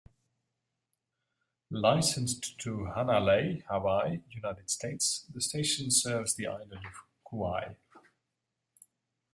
Licensed to Hanalei, Hawaii, United States, the station serves the island of Kauai.